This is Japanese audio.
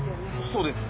そうです。